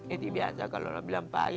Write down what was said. itu biasa kalau orang bilang pak